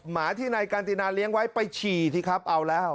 หมาที่ในการตีนาเลี้ยงไว้ไปฉี่ที่ครับเอาแล้ว